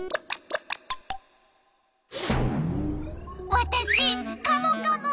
わたしカモカモ！